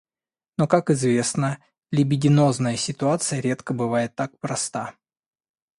Но, как известно, либидинозная ситуация редко бывает так проста.